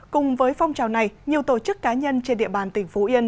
cùng với phong trào này nhiều tổ chức cá nhân trên địa bàn tỉnh phú yên